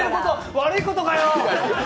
悪いことかよ！